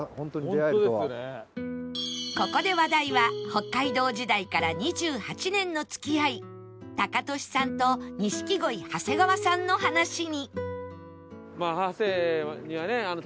ここで話題は北海道時代から２８年の付き合いタカトシさんと錦鯉長谷川さんの話に